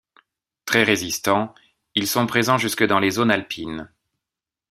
Très résistants, ils sont présents jusque dans les zones alpines.